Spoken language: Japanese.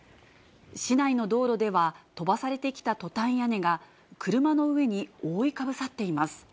市内の道路では、飛ばされてきたトタン屋根が車の上に覆いかぶさっています。